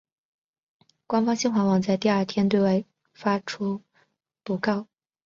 官方新华网在第二天对外发出讣告。